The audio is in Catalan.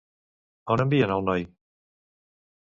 On envien el noi?